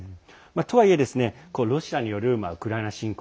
とはいえロシアによるウクライナ侵攻。